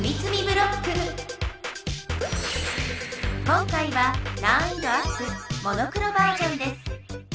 今回は難易度アップモノクロバージョンです。